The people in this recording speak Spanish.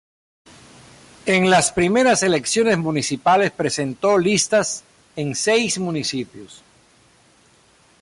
En las primeras elecciones municipales presentó listas en seis municipios.